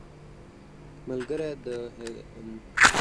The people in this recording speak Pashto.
ملګری د صداقت نوم دی